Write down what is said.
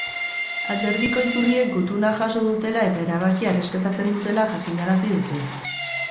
Alderdiko iturriek gutuna jaso dutela eta erabakia errespetatzen dutela jakinarazi dute.